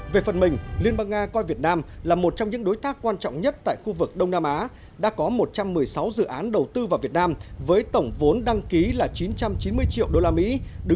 về phần mình liên bang nga coi việt nam là một trong những đối tác quan trọng nhất tại khu vực đông nam á đã có một trăm một mươi sáu dự án đầu tư vào việt nam với tổng vốn đăng ký là chín trăm chín mươi triệu usd